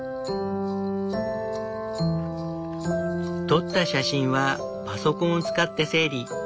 撮った写真はパソコンを使って整理。